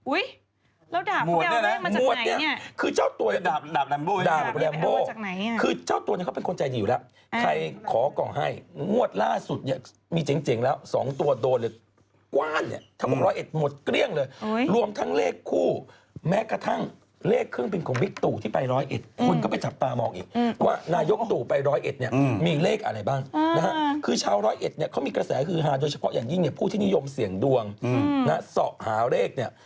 อุ๊ยแล้วดาบพระเยาะแม่งมาจากไหนเนี่ยมวดเนี่ยคือเจ้าตัวดาบดาบดาบดาบดาบดาบดาบดาบดาบดาบดาบดาบดาบดาบดาบดาบดาบดาบดาบดาบดาบดาบดาบดาบดาบดาบดาบดาบดาบดาบดาบดาบดาบดาบดาบดาบดาบดาบดาบดาบดาบดาบดาบด